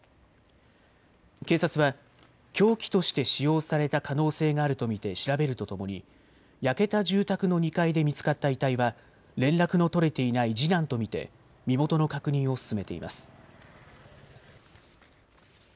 警察は凶器として使用された可能性があると見て調べるとともに焼けた住宅の２階で見つかった遺体は連絡の取れていない次男と見て身元の確認を進めています。